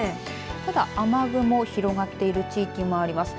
ただ雨雲広がっている地域もあります。